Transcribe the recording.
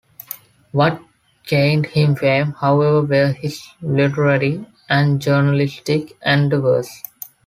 What gained him fame, however, were his literary and journalistic endeavours.